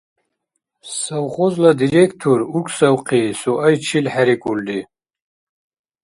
Совхозла директор уркӀсавхъи, суайчил хӀерикӀулри.